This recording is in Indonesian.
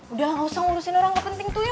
udah gak usah ngurusin orang kepenting tuh ya